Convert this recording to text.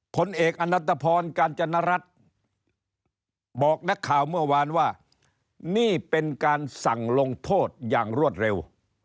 ผลเอกอนัตภพรกาญจนรัฐบอกนักข่าวเมื่อวานว่านี่เป็นการสั่งลงโทษอย่างรวดเร็ว